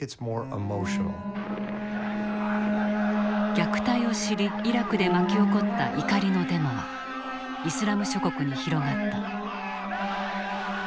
虐待を知りイラクで巻き起こった怒りのデモはイスラム諸国に広がった。